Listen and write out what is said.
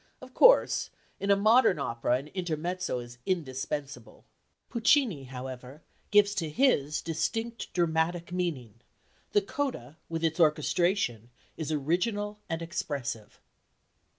Of course, in a modern opera an intermezzo is indispensable. Puccini, however, gives to his distinct dramatic meaning: the coda with its orchestration is original and expressive."